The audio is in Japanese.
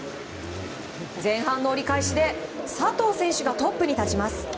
前半の折り返しで佐藤選手がトップに立ちます。